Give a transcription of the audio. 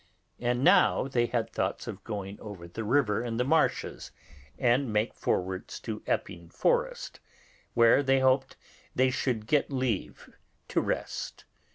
And now they had thoughts of going over the river in the marshes, and make forwards to Epping Forest, where they hoped they should get leave to rest.